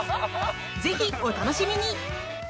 ぜひお楽しみに。